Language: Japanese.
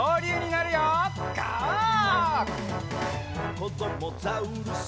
「こどもザウルス